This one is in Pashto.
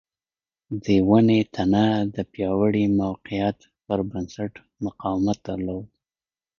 د ونې تنه د پیاوړي موقعیت پر بنسټ مقاومت درلود.